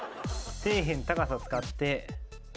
底辺高さを使って。